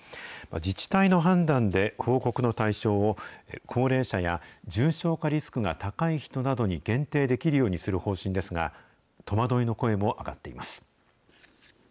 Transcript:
自治体の判断で、報告の対象を、高齢者や重症化リスクが高い人などに限定できるようにする方針ですが、戸惑いの声も上がっています。